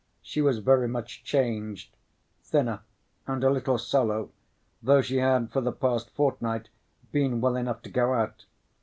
She was very much changed—thinner and a little sallow, though she had for the past fortnight been well enough to go out.